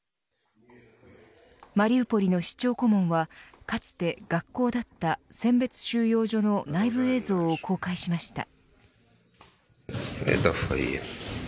マリウポリの市長顧問はかつて学校だった選別収容所の内部映像を公開しました。